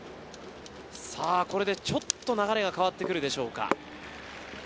これでちょっと流れが変わってくるでしょうか。